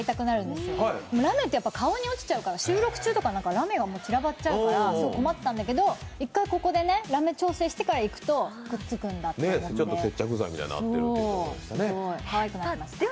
でも、ラメって顔に落ちちゃうから収録中とか、ラメが散らばっちゃうから困ってたんだけど、一回ここでラメ調整してからいくとくっつくんだと思って、すごい、かわいくなりました。